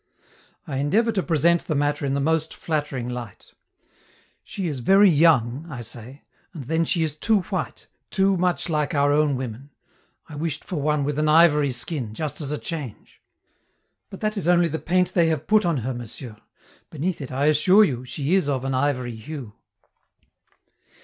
I endeavor to present the matter in the most flattering light: "She is very young," I say; "and then she is too white, too much like our own women. I wished for one with an ivory skin, just as a change." "But that is only the paint they have put on her, Monsieur! Beneath it, I assure you, she is of an ivory hue."